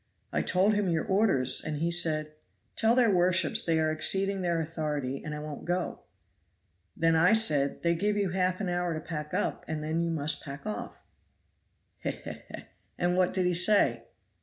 "I told him your orders; and he said, 'Tell their worships they are exceeding their authority, and I won't go.' Then I said, 'They give you half an hour to pack up and then you must pack off.'" "He! he! he! and what did he say?"